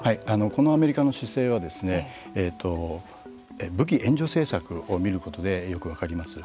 このアメリカの姿勢は武器援助政策を見ることでよく分かります。